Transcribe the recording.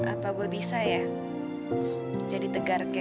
apa gue bisa ya jadi tegar kayak